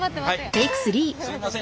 すいません。